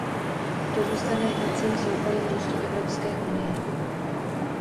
To zůstane hnacím soukolím růstu Evropské unie.